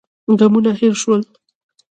غمونه هېر شول.